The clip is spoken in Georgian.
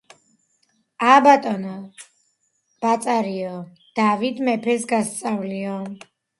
ა, ბატონო ბაწარიო, დავით მეფეს გასწავლიო